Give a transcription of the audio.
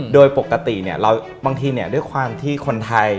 โดยปกติเนี่ยเราบางทีเนี่ยด้วยความที่คนไทย